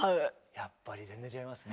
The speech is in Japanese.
やっぱり全然違いますね。